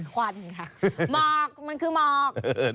ควันค่ะหมอกมันคือหมอก